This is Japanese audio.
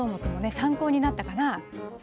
参考になったかな。